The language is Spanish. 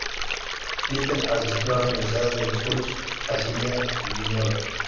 Peter asistió a las universidades de Zúrich, Basilea y Ginebra.